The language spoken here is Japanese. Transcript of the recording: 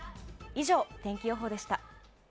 以上、天気予報でした。